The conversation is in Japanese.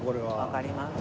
かかります。